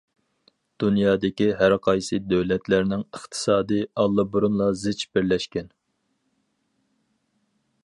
دۇنيادىكى ھەر قايسى دۆلەتلەرنىڭ ئىقتىسادىي ئاللىبۇرۇنلا زىچ بىرلەشكەن.